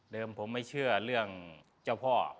ผมไม่เชื่อเรื่องเจ้าพ่อ